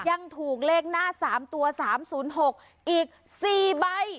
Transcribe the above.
ยังถูกเลขหน้า๓ตัว๓๐๖อีก๔ใบ